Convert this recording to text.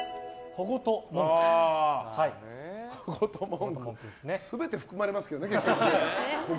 小言と文句って全て含まれますけどね。